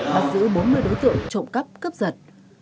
bắt giữ bốn mươi đối tượng trộm khắp cấp giật